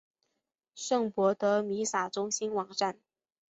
圣博德弥撒中心网站